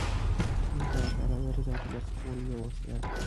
لمونځ د الله تعالی د رضا ترلاسه کولو یوه وسیله ده.